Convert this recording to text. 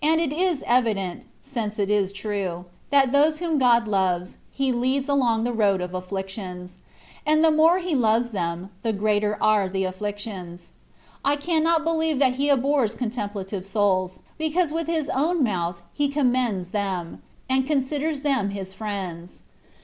it is evident (since it is true), that those whonl God loves^ He leads along the road of afflictions : and the more He loves them^ the greater are the afflictions. I cannot believe that He abhors con templative souls, because with His own mouth He commends them, and considers them His friends.